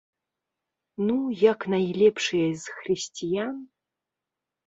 Ну, як найлепшыя з хрысціян?